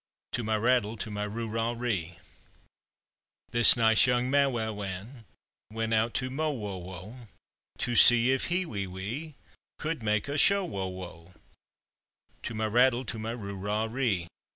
To my rattle, to my roo rah ree! This nice young ma wa wan Went out to mo wo wow To see if he we we Could make a sho wo wow. To my rattle, to my roo rah ree!